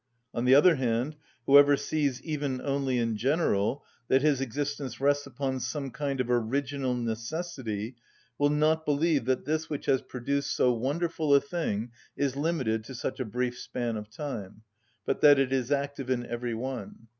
On the other hand, whoever sees, even only in general, that his existence rests upon some kind of original necessity will not believe that this which has produced so wonderful a thing is limited to such a brief span of time, but that it is active in every one.